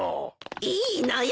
いいのよ。